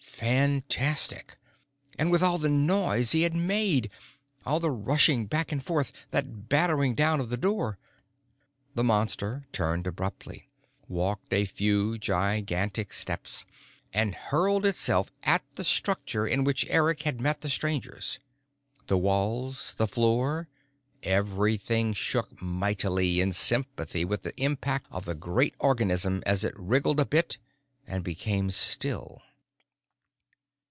Fantastic. And with all the noise he had made! All that rushing back and forth, that battering down of the door! The Monster turned abruptly, walked a few gigantic steps and hurled itself at the structure in which Eric had met the Strangers. The walls, the floor, everything, shook mightily in sympathy to the impact of the great organism as it wriggled a bit and became still.